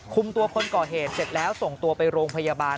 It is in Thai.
คุมตัวคนก่อเหตุเสร็จแล้วส่งตัวไปโรงพยาบาล